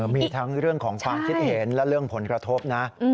มีทั้งเรื่องของความคิดเห็นและเรื่องผลกระทบนะ